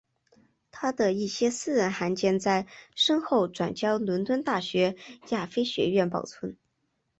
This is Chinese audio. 他的一些私人函件在身后转交伦敦大学亚非学院保存。